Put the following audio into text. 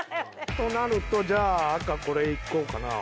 となるとじゃあ赤これ行こうかな。